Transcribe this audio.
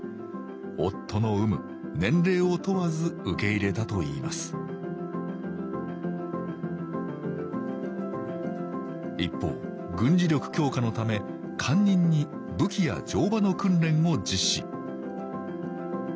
夫の有無年齢を問わず受け入れたといいます一方軍事力強化のため官人に武器や乗馬の訓練を実施